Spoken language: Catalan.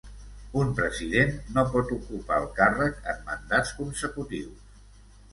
Un president no pot ocupar el càrrec en mandats consecutius.